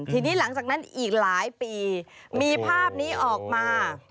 ทีนี้หลังจากนั้นอีกหลายปีมีภาพนี้ออกมา